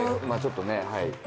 まあちょっとねはい。